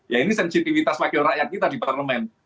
ya ini sensitivitas wakil rakyat kita di parlement